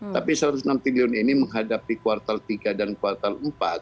tapi satu ratus enam triliun ini menghadapi kuartal tiga dan kuartal empat